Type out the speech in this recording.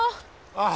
ああ！